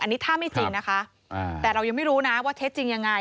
อันนี้ถ้าไม่จริงนะคะแต่เรายังไม่รู้นะว่าเท็จจริงยังไง